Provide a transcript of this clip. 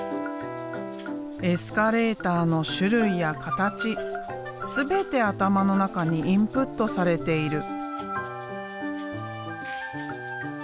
エスカレーターの種類や形全て頭の中にインプットされている。